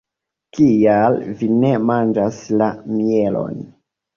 Kial vi ne manĝas la mielon?